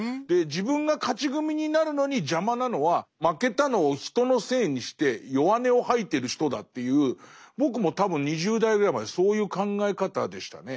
自分が勝ち組になるのに邪魔なのは負けたのを人のせいにして弱音を吐いてる人だという僕も多分２０代ぐらいまでそういう考え方でしたね。